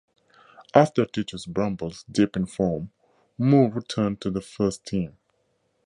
After Titus Bramble's dip in form, Moore returned to the first team.